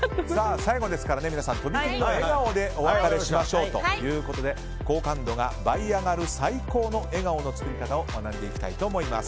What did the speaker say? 最後ですから皆さん飛び切りの笑顔でお別れしましょうということで好感度が倍上がる最高の笑顔の作り方を学んでいきたいと思います。